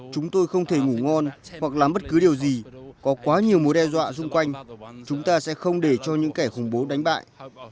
chúng tôi không thể ngủ ngon hoặc làm bất cứ điều gì có quá nhiều mối đe dọa xung quanh chúng ta sẽ không để cho những kẻ khủng bố đánh bại